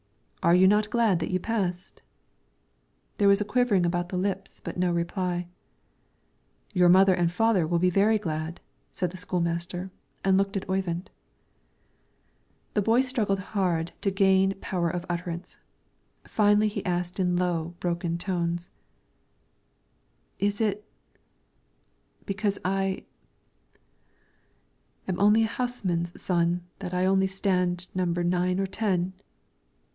"Are you not glad that you passed?" There was a quivering about the lips but no reply. "Your mother and father will be very glad," said the school master, and looked at Oyvind. The boy struggled hard to gain power of utterance, finally he asked in low, broken tones, "Is it because I am a houseman's son that I only stand number nine or ten?"